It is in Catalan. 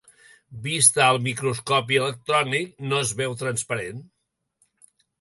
Vista al microscopi electrònic no es veu transparent.